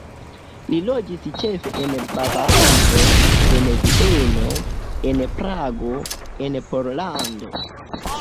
Li loĝis ĉefe en Bavario, en Vieno, en Prago, en Pollando.